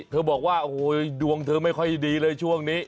บอกว่าโอ้โหดวงเธอไม่ค่อยดีเลยช่วงนี้